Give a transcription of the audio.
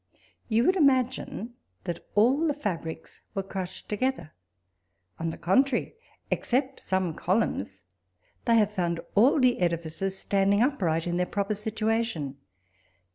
You would imagine that all the fabrics were crushed together ; on the contrary, except some columns, they have found all the edifices standing upright in their proper s'ituation.